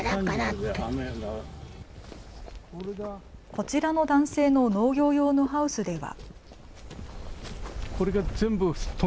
こちらの男性の農業用のハウスでは。